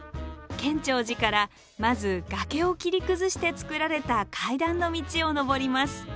建長寺からまず崖を切り崩して造られた階段の道を登ります。